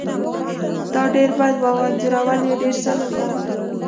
دا ډیر بد و او انځورول یې سخت کار و